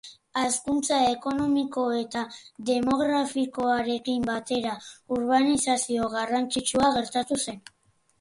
Hazkuntza ekonomiko eta demografikoarekin batera urbanizazio garrantzitsua gertatu zen.